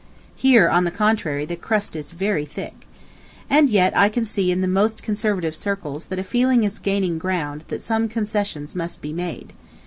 Here, on the contrary, the crust is very thick. And yet I can see in the most conservative circles that a feeling is gaining ground that some concessions must be made.